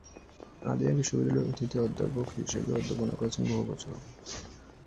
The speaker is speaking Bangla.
আলিয়া বিশ্ববিদ্যালয়ে অতিথি অধ্যাপক হিসাবেও অধ্যাপনা করেছেন বহু বছর।